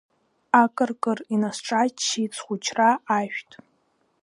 Акыр-кыр инасҿаччеит схәыҷра ашәҭ.